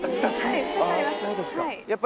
はい２つあります。